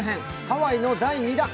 ハワイの第２弾。